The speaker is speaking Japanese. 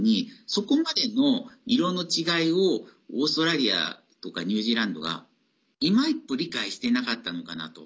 そこまでの色の違いをオーストラリアとかニュージーランドが、いま一歩理解していなかったのかなと。